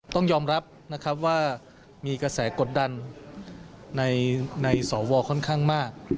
ต้องยอมรับว่ามีกระแสกดันในสอวอค่อนข้างมาก